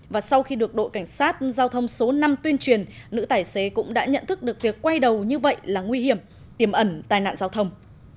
và sau khi được đội cảnh sát giao thông số năm tuyên truyền nữ tài xế cũng đã nhận thức được việc quay đầu như vậy là nguy hiểm tiềm ẩn tai nạn giao thông